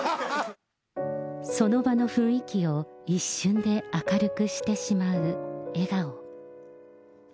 その場の雰囲気を一瞬で明るくしてしまう笑顔。